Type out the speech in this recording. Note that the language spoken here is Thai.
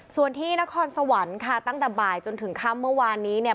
ส่วนที่นครสวรรค์ค่ะตั้งแต่บ่ายจนถึงค่ำเมื่อวานนี้เนี่ย